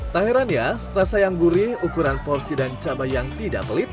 tak heran ya rasa yang gurih ukuran porsi dan cabai yang tidak pelit